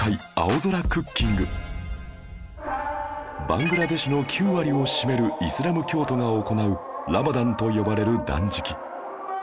バングラデシュの９割を占めるイスラム教徒が行うラマダンと呼ばれる断食